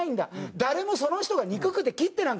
誰もその人が憎くて切ってなんかいない。